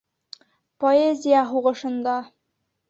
— Поэзия һуғышында.